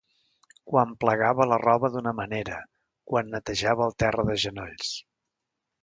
Quan plegava la roba d’una manera, quan netejava el terra de genolls.